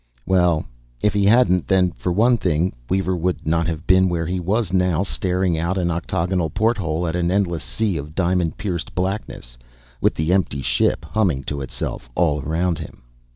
Well, if He hadn't then for one thing, Weaver would not have been where he was now, staring out an octagonal porthole at an endless sea of diamond pierced blackness, with the empty ship humming to itself all around him.